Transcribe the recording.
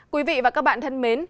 quý vị và các bạn thân mến